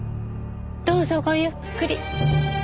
どうぞごゆっくり。